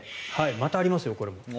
またありますよ、これも。